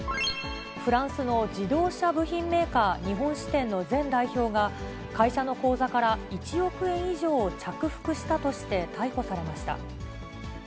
フランスの自動車部品メーカー日本支店の前代表が、会社の口座から１億円以上を着服したとして、逮捕されました。